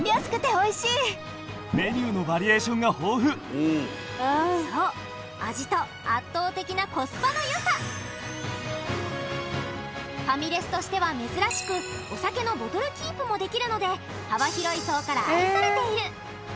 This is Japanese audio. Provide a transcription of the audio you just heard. いやいやいや大好きそう味と圧倒的なファミレスとしては珍しくお酒のボトルキープもできるので幅広い層から愛されている